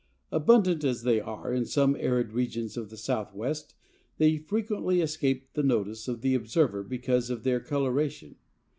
Abundant as they are in some arid regions of the Southwest, they frequently escape the notice of the observer because of their coloration.